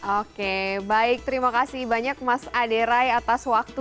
oke baik terima kasih banyak mas aderai atas waktu